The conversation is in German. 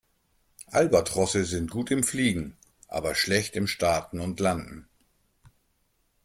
Albatrosse sind gut im Fliegen, aber schlecht im Starten und Landen.